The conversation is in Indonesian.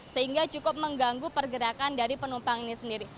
sehingga cukup mengganggu pergerakan dari penumpang ini sendiri